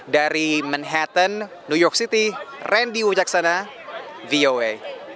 dari manhattan new york city randy wujaksana voi